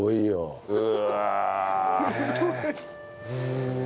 うわ。